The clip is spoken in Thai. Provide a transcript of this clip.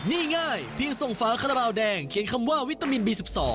นี่ง่ายเพียงส่งฝาคาราบาลแดงเขียนคำว่าวิตามินบี๑๒